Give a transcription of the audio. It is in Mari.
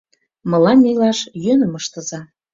Мылам илаш йӧным ыштыза...